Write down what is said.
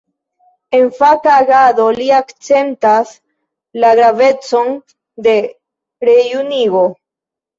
En faka agado li akcentas la gravecon de rejunigo.